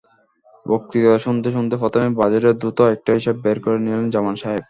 বক্তৃতা শুনতে শুনতে প্রথমেই বাজেটের দ্রুত একটা হিসাব বের করে নিলেন জামান সাহেব।